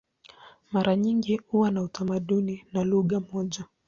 Mara nyingi huwa na utamaduni na lugha moja.